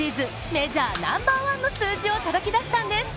メジャーナンバーワンの数字をたたき出したんです。